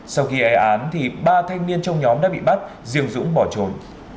sau khi gây án thì ba thanh niên trong nhóm đã bị bắt riêng dũng bỏ trốn